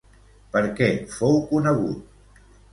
Per què fou conegut?